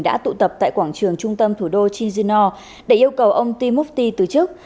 đã tụ tập tại quảng trường trung tâm thủ đô chisinau để yêu cầu ông timoti từ chức